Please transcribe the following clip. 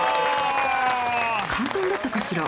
簡単だったかしら？